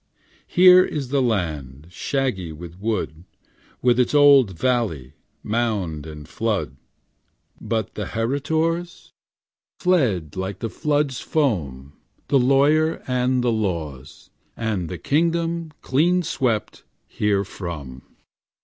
'Here is the land, Shaggy with wood, With its old valley, Mound and flood. But the heritors? Fled like the flood's foam. The lawyer, and the laws, And the kingdom, Clean swept herefrom.